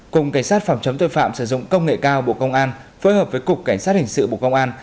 cùng cảnh sát phòng chống tội phạm sử dụng công nghệ cao bộ công an phối hợp với cục cảnh sát hình sự bộ công an